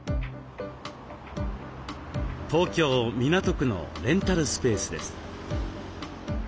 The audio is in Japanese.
東京・港区のレンタルスペースです。